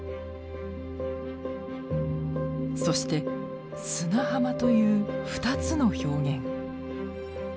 そして「砂浜」という２つの表現。